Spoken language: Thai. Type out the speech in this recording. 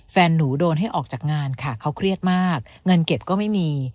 แฟนหนูโดนให้ออกจากงานค่ะเขาเครียดมากเงินเก็บก็ไม่มี